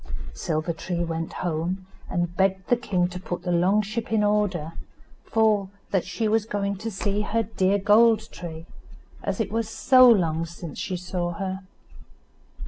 Silver tree, went home, and begged the king to put the long ship in order, for that she was going to see her dear Gold tree, as it was so long since she saw her.